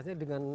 ya pasti dengan